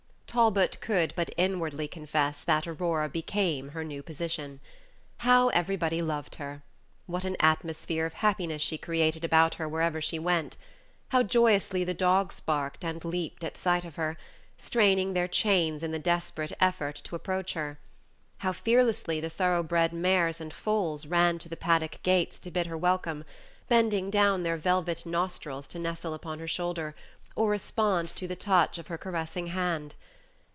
Talbot could but inwardly confess that Aurora became her new position. How everybody loved her! What an atmosphere of happiness she created about her wherever she went! How joyously the dogs barked and leaped at sight of her, straining their chains in the desperate effort to approach her! How fearlessly the thorough bred mares and foals ran to the paddock gates to bid her welcome, bending down their velvet nostrils to nestle upon her shoulder, or respond to the touch of her caressing hand!